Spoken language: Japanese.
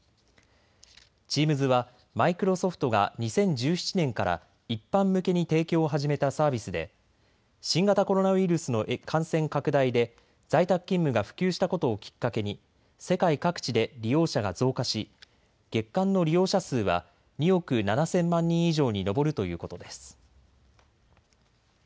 チームズはマイクロソフトが２０１７年から一般向けに提供を始めたサービスで新型コロナウイルスの感染拡大で在宅勤務が普及したことをきっかけに世界各地で利用者が増加し、月間の利用者数は２億７０００万人以上に上るということです。